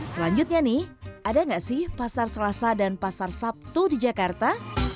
selanjutnya nih ada nggak sih pasar selasa dan pasar sabtu di jakarta